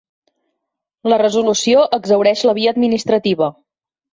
La resolució exhaureix la via administrativa.